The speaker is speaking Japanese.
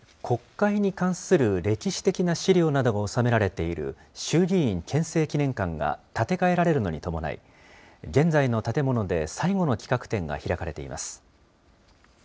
国会に関する歴史的な資料などが収められている、衆議院憲政記念館が建て替えられるのに伴い、現在の建物で最後の企画展が開かれています。